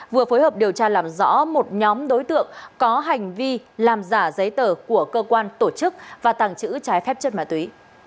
vừa phối hợp điều tra làm rõ một nhóm đối tượng có hành vi làm giả giấy tờ của cơ quan tổ chức và tàng trữ trái phép chất ma túy